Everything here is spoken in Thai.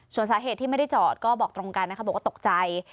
ส่วนสาเหตุที่ไม่ได้จอดก็บอกตรงกันนะคะบอกว่าตกใจ